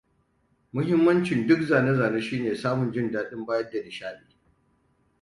Mahimmancin duk zane-zane shine samun jin daɗin bayar da nishaɗi.